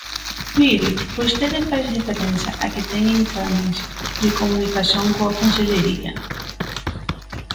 Mire, vostede fai referencia a que teñen canles de comunicación coa Consellería.